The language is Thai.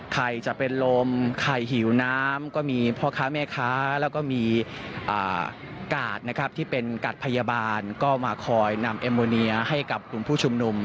ใครจะเป็นลมไข่หิวน้ำก็มีพ่อค้าแม่ค้าแล้วก็มีกาดนะครับที่เป็นกัดพยาบาลก็มาคอยนำเอมโมเนียให้กับกลุ่มผู้ชุมนุม